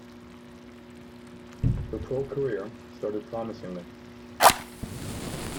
Her pro career started promisingly.